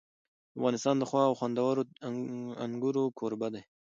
افغانستان د ښو او خوندورو انګورو کوربه دی.